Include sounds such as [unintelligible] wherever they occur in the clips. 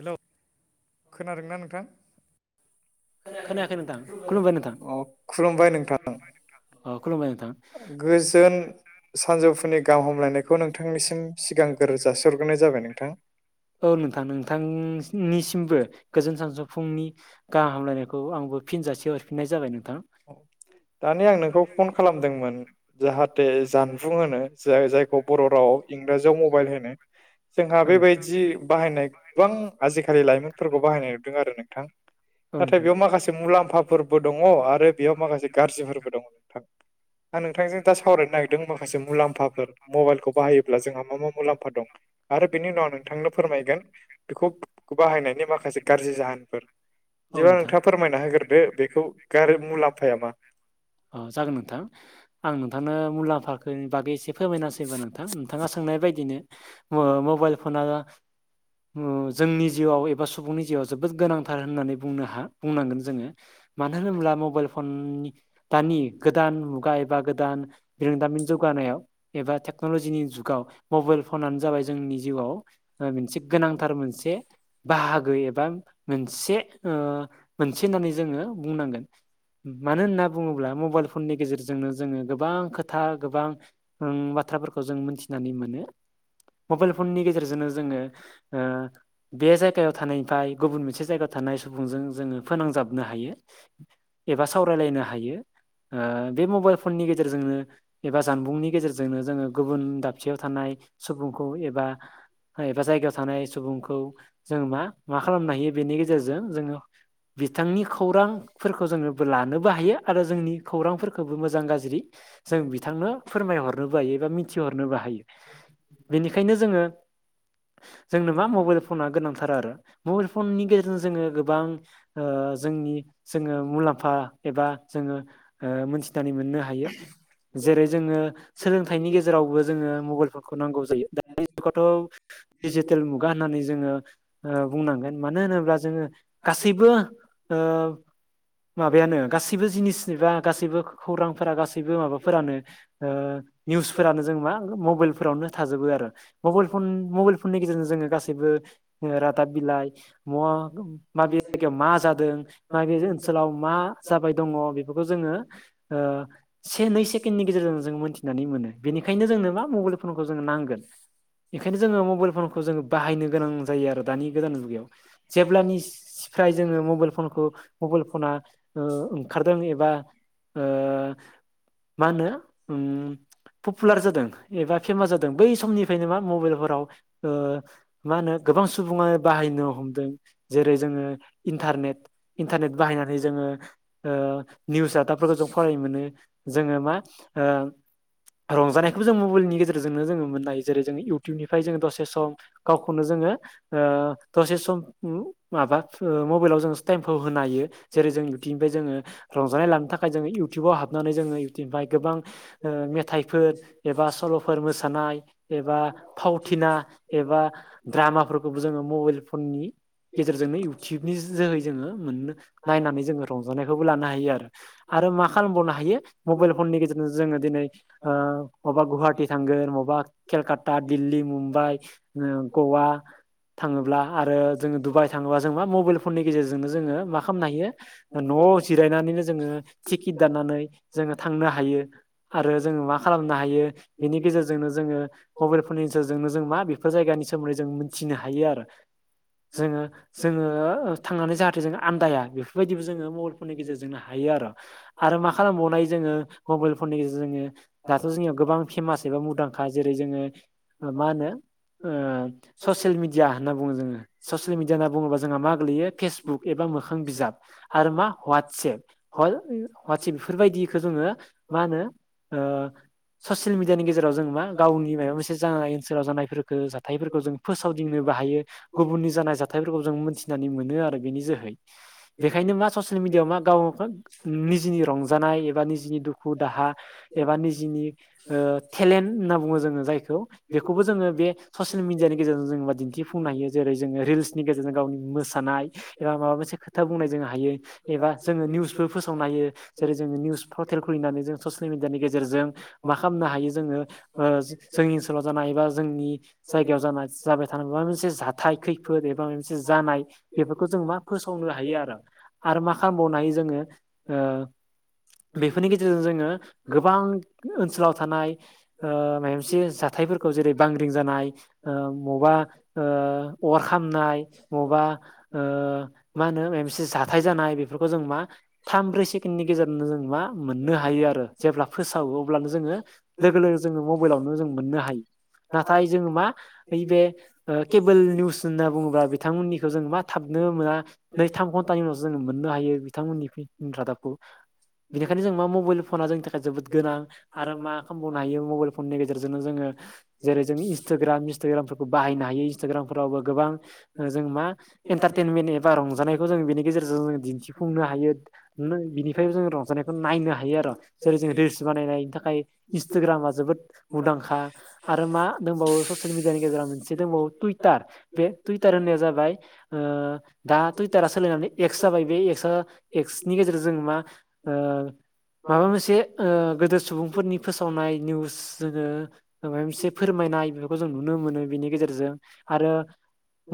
Hello खोनादोंना नोंथां? खोनायाखै नोंथां खुलुमबाय नोंथां अ खुलुमबाय नोंथां। अ खुलुमबाय नोंथां गोजोन‌ सानजौफुनि गाहाम हमलायनायखौ नोंथांनिसिम सिगां गोर जासिरग्रोनाय जाबाय नोंथां। औ नोंथां नोंथांनिसिमबो गोजोन सानसौफुंनि गाहाम हामलायनाय आंबो फिन जासे हरफिननाय जाबाय नों औ। दानि आं नोंखौ फन खालामदोंमोन जाहाथे जानबुं होनो जायखौ बर' रावआव इंराजियाव मबाइल होनो जोंहा औ नोंथां बेबायदि बाहायनाय गोबां आजिखालि लाइमोनफोरखौ बाहायनाय नुदों आरो नोंथां औ नाथाय नोंथां। बेयाव माखासे मुलाम्फाफोरबो दङ' आरो बेयाव माखासे गाज्रिफोरबो दङ' नोंथां आं नोंथांजों दा सावरायनो नागिरदों माखासे मुलाम्फाफोर मबाइलखौ बाहायोब्ला जोंहा मा मा मुलाम्फा दं आरो बेनि उनाव नोंथांनो फोरमायगोन बेखौ बाहायनायनि माखासे गाज्रि जाहोनफोर औ बिदिबा नोंथां नोंथाङा फोरमायना होग्रोदो बेखौ गारो मुला [unintelligible] अ जागोन नोंथां आं नोंथांनो मुलाम्फानि बागै एसे फोरमायनासैबा नोंथां नोंथाङा सोंनाय बायदिनो मबाइल फना ओ जोंनि जिउआव एबा सुबुंनि जिउआव जोबोद गोनांथार होननानै बुंनो हा बुंनांगोन जोङो। मानो होनोब्ला मबाइल फन दानि गोदान मुगा एबा गोदान रोंदामिन जौगानायाव एबा टेकनलजिनि जुगाव मबाइल फनानो जा जाबाय जोंनि जिउआव ओ मोनसे गोनांथार मोनसे बाहागो एबा मोनसे ओ मोनसे होननानै जोङो बुंनांगोन । [inaudible] मानो होनना बुङोब्ला मबाइल फननि गेजेरजोंनो जोङो गोबां खोथा गोबां ओं बाथ्रा फोरखौ जों मिथिनानै मोनो मबाइल फननि गेजेरजोंनो जोङो ओ बे जायगायाव थानायफ्राय गुबुन मोनसे जायगायाव था‌ थानाय सुबुंजों जोङो फोनांजाबनो हायो एबा सावरायलायनो हायो। ओ बे मबाइल फननि गेजेरजोंनो एबा जानबुंनि गेजेरजोंनो जोङो गुबुन दाबसेयाव थानाय सुबुंखौ एबा एबा जायगायाव थानाय सुबुंखौ जों मा मा खालामनो हायो बेनि गेजेरजों जोङो। बिथांनि खौरांफोरखौ जोङोबो लानोबो हायो आरो जोंनि खौरांफोरखौबो मोजां गाज्रि जों बिथांनो फोरमायहरनोबो हायो एबा मिथिहरनोबो हायो। बेनिखायनो जोङो जोंनो मा मबाइल फना गोनांथार आरो मबाइल फननि गेजेरजों जोङो गोबां ओ जोंनि जोङो मुलाम्फा एबा जोङो मोनथिनानै मोननो हायो जेरै जोङो सोलों फिथाइनि गेजेरावबो जोङो मबाइलफोरखौ नांगौ जायो दा जुगाथ' दिडजिटेल मुगा होननानै जोङो बुंनांगोन मानो होनोब्ला जोङो। गासैबो आसिबो ओ माबायानो गासैबो जिनिस ए बा गासैबो खौरां गासैबो माबाफोरानो ओ निउसफोरानो मा फोरावनो थाजोबो आरो मबाइ फन मबाइल फननि गेजेरजों जोङो गासैबो रादाब बिलाइ मवा माबे जायगायाव मा जादों मा बे ओनसोलाव मा जाबाय दङ बेफोरखौ जोङो से नै सेकेण्डनि गेजेरजों जोङो मोनथिनानै मोनो बेनिखायनो जोंनोबा मबाइल फनखौ जोंङ नांगोन। बेखायनो जोङो मबाइल फनखौ जोङो बाहायनो गोनां जायो आरो दानि गोदान मुगायाव जेब्लानि जोङो मबाइल फनखौ मबाइल फना ओ ओंखारदों एबा ओ मा होनो उम पपुलार जादों एबा फेमास जादों बै समनिफ्रायनो मा मबाइलफोराव ओ मा होनो गोबां सुबुङानो बाहायनो हमदों जेरै जोङो इन्टारनेट - इन्टारनेट बाहायनानै जोङो ओ निउस रादाफोरखौ जों फराय मोनो जोङो मा ओ रंजानायखौबो जों मबाइलनि गेजेरजोंनो जोङो मोननो हायो जेरै जों इउथटुबनिफ्राय जों दसे सम गावखौनो जों जो ओ दसे सम माबा ओ मबाइलाव जों टाइम होन हायो जेरै जों इउटुबनिफ्राय जोङो रंजानाय लानो थाखाय जोङो इउटुबाव हाबनो जोङो इउटुबनिफ्राय गोबां ओ मेथाइफोर एबा सल'फोर मोसानाय एबा फावथिना एबा द्रामाफोरखौबो जोङो मबाइल फननि गेजेरजोंनो जोहै जोङो मोन नायनानै जोङो रंजानायखौबो लानो हायो आरो आरो मा खालामबावनो हायो यो मबाइल फननि गेजेरजों जोङो दिनै ओ बबा गुवाटि थांगोन बबेबा केलकाता दिल्ली, मुम्बाइ, गवा थाङोब्ला आरो जों डुबाइ थाङोबा जों मा मबाइल फननि गेजेरजोंनो जोङो मा खालामनो हायो न'आव जिरायनानैनो जोङो टिकिट दाननानै जोङो थांनो हायो आरो जोङो मा खालामनो हायो बेनि गेजेरजोंनो जों जों मबाइल फननि गनोेजेरजोंनो जों मा बेफोर जायगानि सोमोन्दै जों मिथिनो हायो आरो जों जोङो जोङो थांनानै जे आदाया बेफोरबायदिबो जोङो मबाइल फननि गेजेरजोंनो हायो आरो मा खालामबावनाय जोङो मबाइल फननि गेजेर जोङो दाथ' जोंनियाव गोबां फेमास एबा मुंदांखा जेरै जोङो मा होनो ओ ससियेल मिडिया होनना बुङो जोङो ससियेल मिडिया ज होनना बुङोबा जोंहा मा गोल्लैयो फेसबुक एबा मोखां बिजाब आरो मा वाट्सएप हवाट्सएप बेफोरबायदिखौ जोङो मा होनो ससियेल मिडियानि गेजेराव जों मा गावनि माबा मोनसे जानाय ओनसोलाव जानायफोरखौ जाथायफोरखौ जों फोसावदिंनो हायो गुबुननि जानाय जा थाय फोरखौ जों मोनथिनानै मोनो आरो बेनि जोहै बेनिखायनो मा ससिल मिडियाआव मा गाव निजनि रंजानाय एबा निजनि दुखु- दाहा एबा निजिनि टेलेन्ट होनना बुङो जोङो जाय ज बेखौबो जोङो बे ससियेल मिडियानि गेजेरजों जा दिन्थिफुंनो हायो जेरै ज रिलह नि गेजेरजों गावनि मोसानाय एबा माबा मोनसे खोथा बुंनाय जों हायो एबा जोङो निउसबो फोसावनो हायो जेरै जोङो निउस पर्टेल खुलिनानै जों ससियेल मिडियानि गेजेरजों मा खालामनो हायो जोङो जोंनि ओनसोलाव जानाय एबा जों नि जायगायाव जाबाय थानाय माबा मोनसे जा खैफोद ए जानाय बेफोरखौ जों मा फावनो हायो आरो मा खालामबावनो हायो जोङो ओ औ। बेफोरनि गेजेरजों जोङो गोबां ओनसोलाव थानाय ओ माबा मोनसे जाथायफोरखौ जेरै बांग्रि जानाय ओ बेबा ओ अर खामनाय मबा ओ मोनसे जाथाय जानाय था थाम ब्रै सेकेनडनि गेजेरावनो जों मा मोननो हायो आरो जेब्ला फोसावो अब्लानो जोङो लोगो लोगो जोङो मबाइलयावनो जों मोननो हायो नाथाय जोङो मा नैबे केबोल निउस होनना बुङोबा बिथांमोननिखौ जोङो मा थाबनो मोना नै थाम घन्टानि उनावसो जोङो मोननो हायो बिथांमोननि रादाबखौ बेनिखायनो जों मा मबाइल फना जोंनि थाखाय जोबोद गोनां आरो मा खालामबावनो हायो मबाइल फननि गेजेरजोंनो जोङो। जेरै जोंङो इनसथाग्राम बाहायनो हायो इ्नसथाग्राग फोरावबो गोबां जों मा एन्टारटेनमेन्ट एबा रंजानायखौ जों बेनि गेजेरजों जों दिन्थिफुंनो हायो। बिनिफ्रायबो जों रंजानायखौ नायनो हायो आरो जेरै जों रिलस बानायनायनि थाखाय इन्स्टाग्रामा जोबोद मुंदांखा। आरो मा दंबावो ससियेल मिडियानि गेजेराव मोनसे दंबावो टुइटार बे टुइटार होननाया जाबाय ओ दा टुइटारा सोलायनानै एक्स जाबाय बे एक्स एक्स गेजेरजों मा ओ माबा मोनसे ओ गोदोर सुबुं फोरनि फोसावनाय निउस जोङो माबा मोनसे फोरमायनाय बेफोरखौ जों नुनो मोनो बेनि गेजेरजों आरो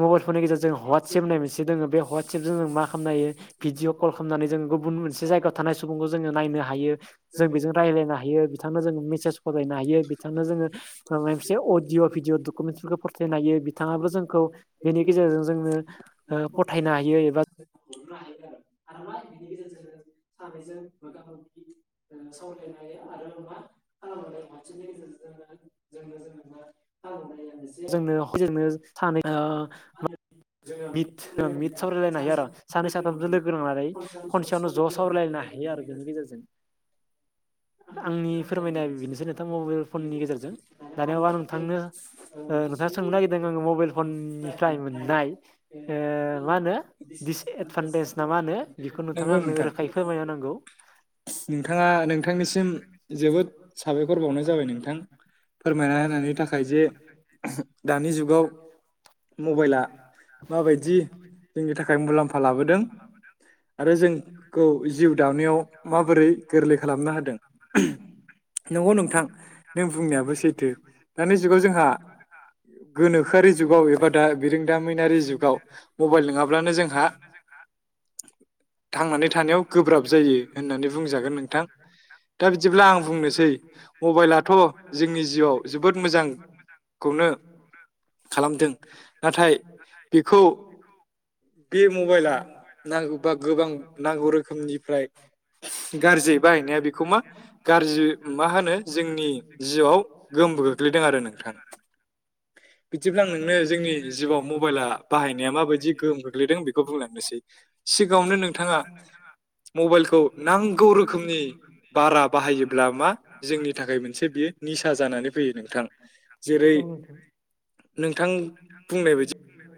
मबाइल फननि गेजेरजों हटसेएप होननाय मोनसे दोङ बे हाटसेएपजों जों मा खालामनायायो भिडिअ कल खालामनानै जों गुबुन मोनसे जायगायाव थानाय सुबुंखौ जोङो नायनो हायो जों बेजों राय ज्लायनो हायो बिथांनो जों मेसेस फरायनो हायो बिथांनो जोङो मोनसे अदिअ' भिडिअ' दकुमेन्टस फथायनो हायो बिथाङाबो जोंखौ बेनि गेजेरजों जोंनो फथायनो हायो एबा सावरायनो हायो आरो‌ मा जोंनो जोंनो सानै ओ मिट मिट सावरायलायनो हायो आरो सानै साथामजों लोगो नांनानै खनसेयावनो ज' सावरायलायनो हायो। हायो आरो बेनि गेजेरजों आंनि फोरमायनाया बेनोसै नोंथां मबाइल फननि गेजेरजों दानियावबा नोंथांनो ओ नोंथाङा सोंनो नागिरदों आङो मबाइल फननिफ्राय मोननाय ओ मा होनो दिसएदभान्टेजना मा होनो बेखौ नोंथाङा नंगौ आंनो नोंथां रोखायै फोरमायनो नांगौ। नोंथाङा नोंथांनिसिम जोबोद साबायखर बावनाय जाबाय नोंथां। फोरमायना होनायनि थाखाय जे दानि जुगाव मबाइला माबायदि जोंनि थाखाय मुलाम्फा लाबोदों। आरो जोंखौ जिउ दावानायाव माबोरै गोरलै खालामनो होदों नंगौ नोंथां नों बुंनायाबो सैथो दानि जुगाव जोंहा गोनोखोआरि जुगाव एबा दा बिरोंदामिन दारि जुगाव मबाइल नङाब्लानो जोंहा थांनानै थानायाव गोब्राब जायो होननानै बुंजागोन नोंथां दा बिदिब्ला आं बुंनोसै मबाइलाथ' जोंनि जिउआव जोबोद मोजां खौनो खालामदों नाथाय बेखौ बे मबाइलआ नांगौबा गोबां नांगौ रोखोमनिफ्राय गाज्रि बाहायनाया बेखौ मा गाज्रि मा होनो जोंनि जिउआव गो गगलायदों आरो नोंथां बिदिब्ला आं नोंनो जोंनि जिउआव मबाइलआ बाहायनाया माबायदि गोहोम गोग्लैदों बेखौ बुंलांनोसै सिगाङावनो नोंथाङा मबाइलखौ नांगौ रोखोमनि बारा बाहायोब्ला मा जोंनि थाखाय मोनसे बियो निसा जानानै फैयो नोंथां जेरै औ नोंथां नोंथां बुं बुंनो